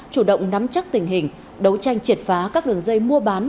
chủ động nắm chắc tình hình đấu tranh triệt phá các đường dây mua bán